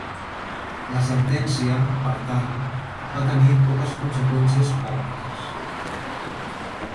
La sentència, per tant, va tenir poques conseqüències pràctiques.